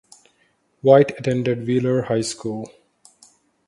White attended Wheeler High School.